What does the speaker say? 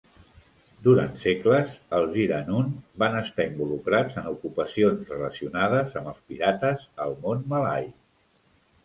Durant segles, els Iranun van estar involucrats en ocupacions relacionades amb els pirates al món malai.